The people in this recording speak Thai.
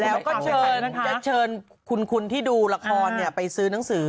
แล้วก็เชิญคุณที่ดูละครเนี่ยไปซื้อหนังสือ